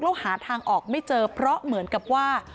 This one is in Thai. แล้วหาทางออกไม่เจอเพราะเหมือนกับว่า